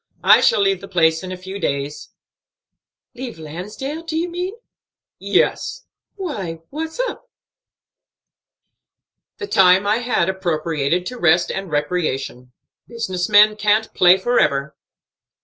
I shall leave the place in a few days." "Leave Lansdale, do you mean?" "Yes." "Why, what's up?" "The time I had appropriated to rest and recreation. Business men can't play forever."